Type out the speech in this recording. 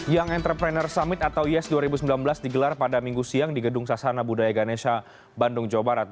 young entrepreneur summit atau yes dua ribu sembilan belas digelar pada minggu siang di gedung sasana budaya ganesha bandung jawa barat